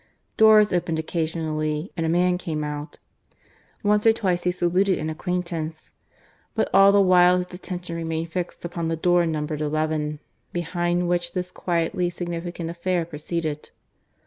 Doors opened occasionally, and a man came out; once or twice he saluted an acquaintance. But all the while his attention remained fixed upon the door numbered XI, behind which this quietly significant affair proceeded.